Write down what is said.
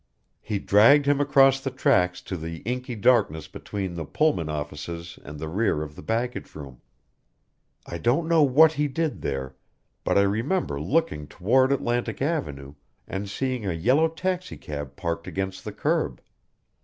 He dragged him across the tracks to the inky darkness between the Pullman offices and the rear of the baggage room. I don't know what he did there but I remember looking toward Atlantic Avenue and seeing a yellow taxicab parked against the curb.